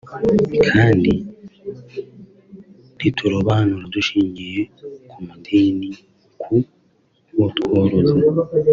kandi ntiturobanura dushingiye ku madini ku botworoza